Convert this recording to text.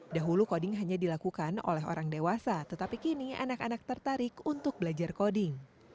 dahulu coding hanya dilakukan oleh orang dewasa tetapi kini anak anak tertarik untuk belajar coding